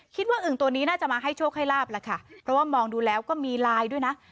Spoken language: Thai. อึ่งตัวนี้น่าจะมาให้โชคให้ลาบแล้วค่ะเพราะว่ามองดูแล้วก็มีลายด้วยนะ